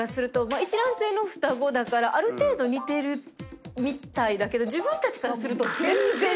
一卵性の双子だからある程度似てるみたいだけど自分たちからすると。